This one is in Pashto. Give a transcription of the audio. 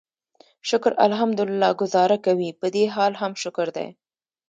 شکر الحمدلله ګوزاره کوي، پدې حال هم شکر دی.